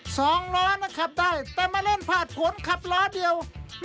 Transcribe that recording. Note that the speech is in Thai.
สองล้อนะครับขับได้แต่มาเล่นผ่านผลขับล้อเดียว